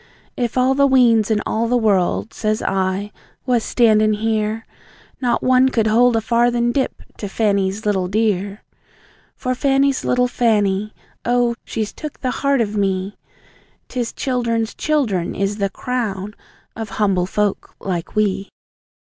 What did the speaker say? "If all the weans in all the world," says I, "was standin' here, Not one could hold a farthin' dip to Fanny's little dear!" For Fanny's little Fanny oh, she's took the heart of me! 'Tis childern's childern is the CROWN of humble folk like we!